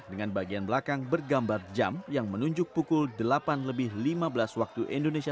dengan bagian belakang bergambar jam yang menunjuk pukul delapan lebih lima belas waktu indonesia